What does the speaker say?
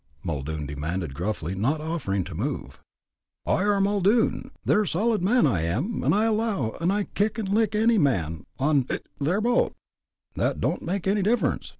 Muldoon demanded, gruffly, not offering to move. "I are Muldoon, ther solid man, I am, an' I allow I kin lick any man on (hic) ther boat." "That don'd make any difference.